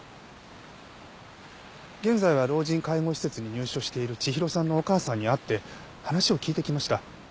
現在は老人介護施設に入所している千尋さんのお母さんに会って話を聞いてきました。